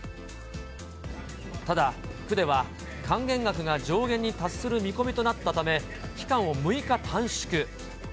ただ、区では還元額が上限に達する見込みとなったため、期間を６日短縮。